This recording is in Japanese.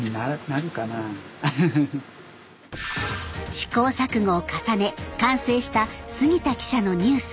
試行錯誤を重ね完成した杉田記者のニュース。